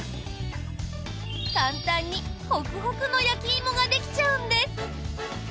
簡単にホクホクの焼き芋ができちゃうんです。